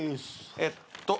えっと。